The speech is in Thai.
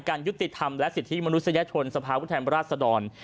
ยุติธรรมและสิทธิมนุษยชนสภาพุทธแทนราชดร